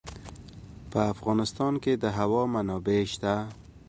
په افغانستان کې د هوا منابع شته.